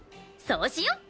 そうしよう！